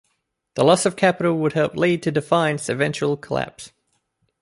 The loss of capital would help lead to Defiant's eventual collapse.